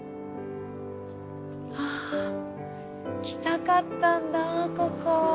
来たかったんだここ。